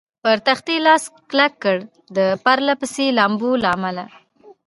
پر تختې لاس کلک کړ، د پرله پسې لامبو له امله.